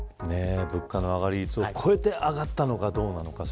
物価の上がり率を超えて上がったのかどうなのか